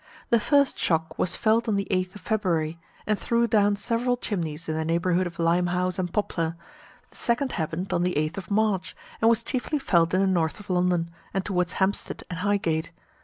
The first shock was felt on the 8th of February, and threw down several chimneys in the neighbourhood of Limehouse and Poplar; the second happened on the 8th of March, and was chiefly felt in the north of London, and towards Hampstead and Highgate.